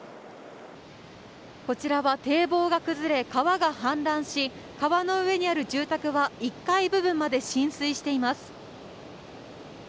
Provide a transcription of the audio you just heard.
こちらは堤防が崩れ川が氾濫し川の上にある住宅は１階部分まで浸水しています。